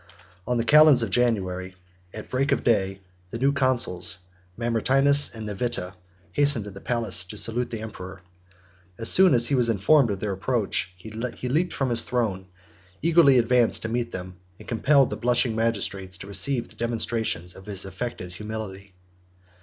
On the calends of January, at break of day, the new consuls, Mamertinus and Nevitta, hastened to the palace to salute the emperor. As soon as he was informed of their approach, he leaped from his throne, eagerly advanced to meet them, and compelled the blushing magistrates to receive the demonstrations of his affected humility.